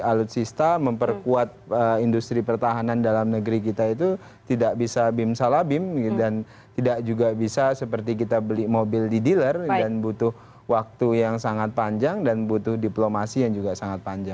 alutsista memperkuat industri pertahanan dalam negeri kita itu tidak bisa bim salabim dan tidak juga bisa seperti kita beli mobil di dealer dan butuh waktu yang sangat panjang dan butuh diplomasi yang juga sangat panjang